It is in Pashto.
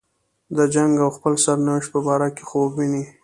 د جنګ او خپل سرنوشت په باره کې خوب ویني.